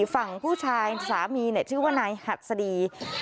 ฝั่งผู้ชายสามีชื่อว่านายหัดสดี